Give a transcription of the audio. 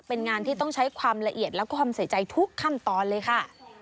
เป็นงานที่ต้องใช้ความละเอียดแล้วก็ความใส่ใจทุกขั้นตอนเลยค่ะ